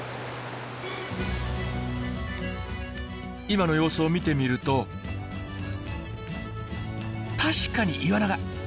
今の様子を見てみると確かにイワナが。